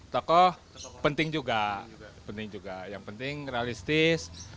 tokoh penting juga yang penting realistis